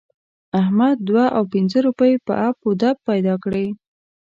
احمد دوه او پينځه روپۍ په اپ و دوپ پیدا کړې.